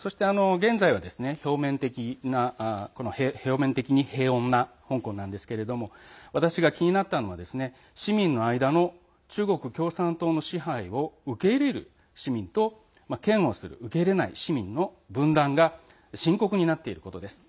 そして現在は表面的に平穏な香港なんですけれども私が気になったのは市民の間の中国共産党の支配を受け入れる市民と嫌悪する、受け入れない市民の分断が深刻になっていることです。